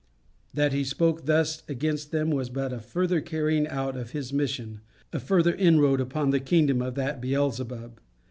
That he spoke thus against them was but a further carrying out of his mission, a further inroad upon the kingdom of that Beelzebub.